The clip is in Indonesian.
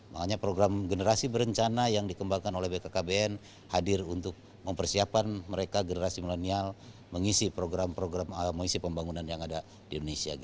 makanya program generasi berencana yang dikembangkan oleh bkkbn hadir untuk mempersiapkan mereka generasi milenial mengisi program program mengisi pembangunan yang ada di indonesia